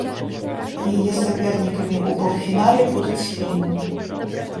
Яе сапернікамі ў паўфінале будуць фіны.